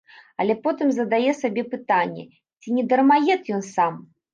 Але потым задае сабе пытанне, ці не дармаед ён сам?